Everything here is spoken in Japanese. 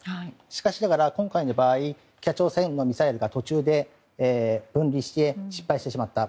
しかしながら、今回の場合北朝鮮のミサイルが途中で分離して失敗してしまった。